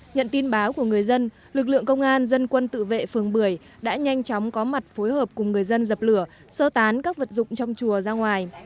nhận tin báo của người dân lực lượng công an dân quân tự vệ phường bưởi đã nhanh chóng có mặt phối hợp cùng người dân dập lửa sơ tán các vật dụng trong chùa ra ngoài